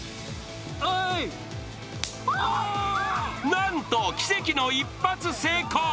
なんと、奇跡の一発成功！